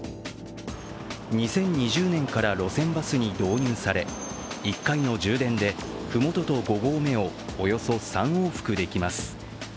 ２０２０年から路線バスに導入され、１回の充電で、ふもとと５合目をおよそ３往復できます。